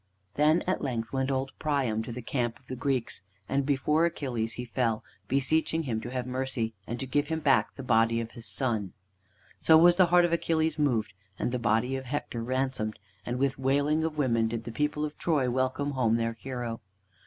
Then at length went old Priam to the camp of the Greeks. And before Achilles he fell, beseeching him to have mercy and to give him back the body of his son. So was the heart of Achilles moved, and the body of Hector ransomed; and with wailing of women did the people of Troy welcome home their hero.